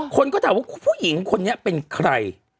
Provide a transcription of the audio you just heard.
คนก็ถามว่าผู้หญิงคนนี้เป็นใคร